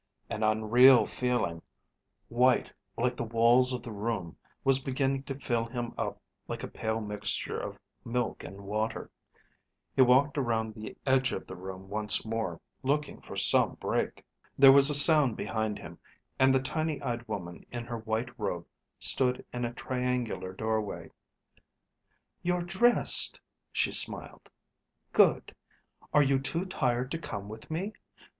An unreal feeling, white like the walls of the room, was beginning to fill him up like a pale mixture of milk and water. He walked around the edge of the room once more, looking for some break. There was a sound behind him and the tiny eyed woman in her white robe stood in a triangular doorway. "You're dressed," she smiled. "Good. Are you too tired to come with me?